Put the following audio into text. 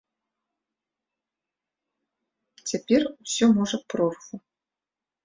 Цяпер усё можа прорву.